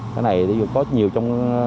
cái này có nhiều trong